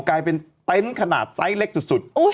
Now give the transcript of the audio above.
กลายเป็นเต็นต์ขนาดไซส์เล็กสุด